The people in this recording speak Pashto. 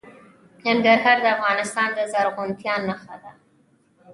ننګرهار د افغانستان د زرغونتیا نښه ده.